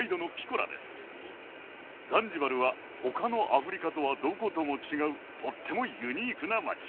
ザンジバルは他のアフリカとはどことも違うとってもユニークな街。